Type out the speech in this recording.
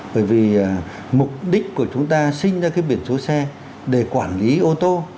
bởi vì mục đích của chúng ta sinh ra cái biển số xe để quản lý ô tô